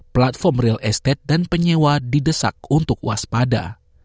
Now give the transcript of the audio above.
platform real estate dan penyewa didesak untuk waspada